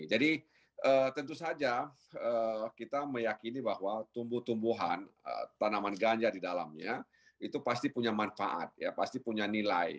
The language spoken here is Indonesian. jadi tentu saja kita meyakini bahwa tumbuh tumbuhan tanaman ganja di dalamnya itu pasti punya manfaat pasti punya nilai